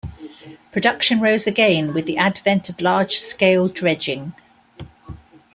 Production rose again with the advent of large-scale dredging.